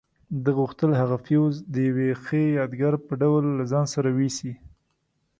ده غوښتل هغه فیوز د یوې ښې یادګار په ډول له ځان سره یوسي.